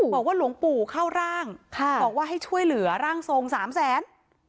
บอกว่าหลวงปู่เข้าร่างบอกว่าให้ช่วยเหลือร่างทรงสามแสน